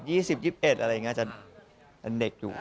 อะไรอย่างนี้อาจจะเด็กอยู่